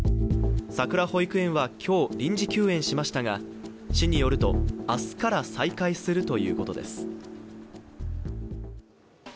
さくら保育園は今日、臨時休園しましたが市によると、明日から再開するということです。